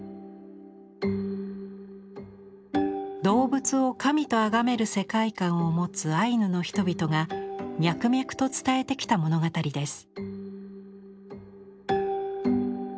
動物を神とあがめる世界観を持つアイヌの人々が脈々と伝えてきた物語です。